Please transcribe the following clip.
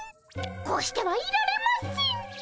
こうしてはいられません。